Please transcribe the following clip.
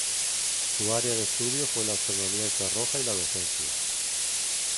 Su área de estudio fue la astronomía Infrarroja y la docencia.